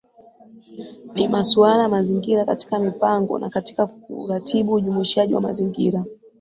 Ni masuala ya mazingira katika mipango na Katika kuratibu ujumuishaji wa mazingira